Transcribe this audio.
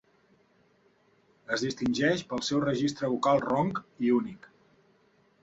Es distingeix pel seu registre vocal ronc i únic.